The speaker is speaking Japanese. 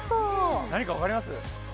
何か分かります？